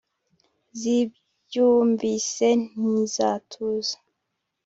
zibyumvise ntizatuza